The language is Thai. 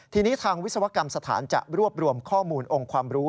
ทีนี้ทางวิศวกรรมสถานจะรวบรวมข้อมูลองค์ความรู้